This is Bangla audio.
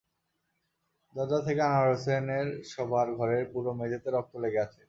দরজা থেকে আনোয়ার হোসেনের শোবার ঘরের পুরো মেঝেতে রক্ত লেগে আছে।